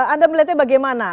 anda melihatnya bagaimana